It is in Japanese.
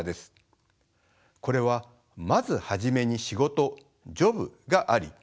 これはまず初めに仕事ジョブがあり